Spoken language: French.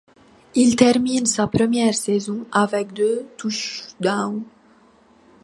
Il termine sa première saison avec deux touchdowns.